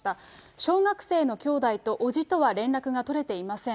小学生の兄弟と伯父とは連絡が取れていません。